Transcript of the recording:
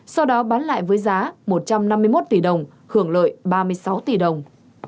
sau đó bán lại với giá một trăm năm mươi một tỷ đồng hưởng lợi ba mươi sáu tỷ đồng